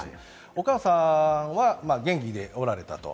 お母さんは元気でおられたと。